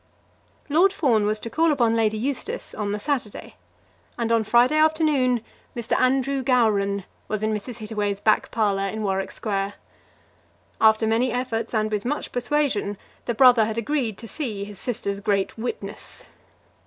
Lord Fawn was to call upon Lady Eustace on the Saturday, and on Friday afternoon Mr. Andrew Gowran was in Mrs. Hittaway's back parlour in Warwick Square. After many efforts, and with much persuasion, the brother had agreed to see his sister's great witness.